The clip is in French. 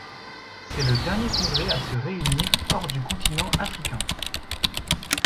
C'est le dernier congrès à se réunir hors du continent africain.